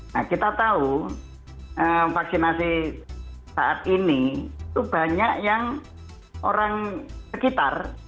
nah kita tahu vaksinasi saat ini itu banyak yang orang sekitar